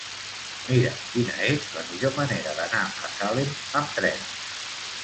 Mira'm quina és la millor manera d'anar a Salem amb tren.